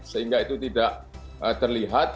sehingga itu tidak terlihat